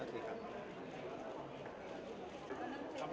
สวัสดีครับ